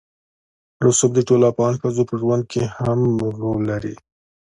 رسوب د ټولو افغان ښځو په ژوند کې هم رول لري.